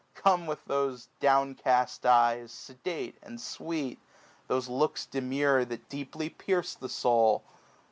Come with those downcast eyes, sedate and sweet, Thos^e looks demure, that deeply pierce the soul.